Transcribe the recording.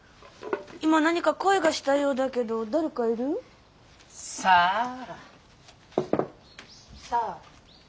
今何か声がしたようだけど誰かいる？さあ？さあ？